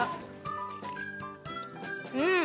うん。